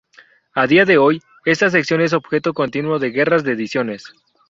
A día de hoy, esta sección es objeto continuo de guerras de ediciones.